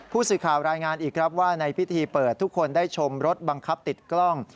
ผู้สื่อข่าวรายงานอีกครับว่าในพิธีเปิดทุกคนได้ชมรถบังคับติดกล้อง